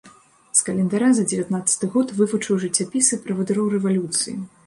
З календара за дзевятнаццаты год вывучыў жыццяпісы правадыроў рэвалюцыі.